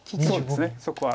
そうですねそこは。